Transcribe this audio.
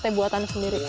sate buatan sendiri enak